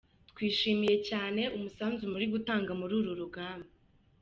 Twishimiye cyane umusanzu muri gutanga muri uru rugamba.”